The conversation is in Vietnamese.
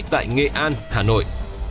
tại nghệ an hà nội